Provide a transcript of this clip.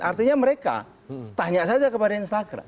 artinya mereka tanya saja kepada instagram